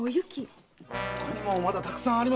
ほかにもまだたくさんありますよ。